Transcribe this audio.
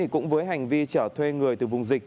cũng với hành vi trở thuê người từ vùng dịch